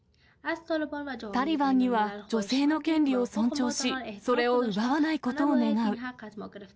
タリバンには、女性の権利を尊重し、それを奪わないことを願う。